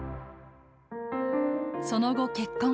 その後、結婚。